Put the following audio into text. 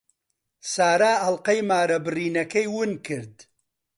سارا ئەڵقەی مارەبڕینەکەی ون کرد.